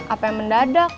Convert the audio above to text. apa yang mendadak